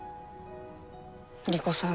莉子さん